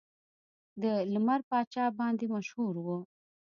د لمر پاچا باندې مشهور و.